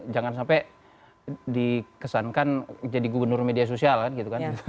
jangan sampai dikesankan jadi gubernur media sosial kan gitu kan